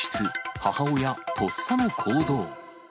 母親、とっさの行動。